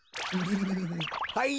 はい！